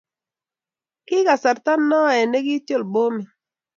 ki kasarta noe noe nekiityol bomit